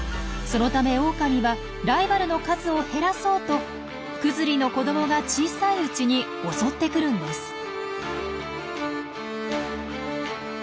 そのためオオカミはライバルの数を減らそうとクズリの子どもが小さいうちに襲ってくるんです。